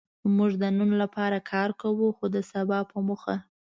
موږ د نن لپاره کار کوو؛ خو د سبا په موخه.